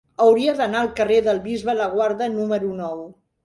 Hauria d'anar al carrer del Bisbe Laguarda número nou.